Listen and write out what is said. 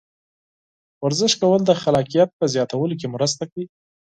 ورزش کول د خلاقیت په زیاتولو کې مرسته کوي.